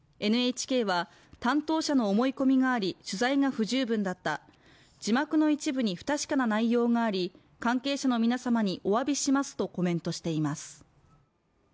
ＮＨＫは担当者の思い込みがあり取材が不十分だった字幕の一部に不確かな内容があり関係者の皆様におわびしますとコメントしています